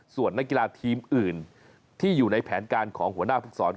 ส่วนนักกีฬาทีมอื่นที่อยู่ในแผนการของหัวหน้าภูกษร